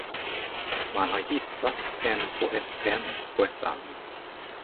Man har gissat än på ett än på ett annat.